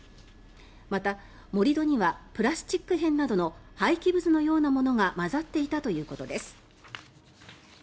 また、盛り土にはプラスチック片などの廃棄物のようなものが混ざっていたということです。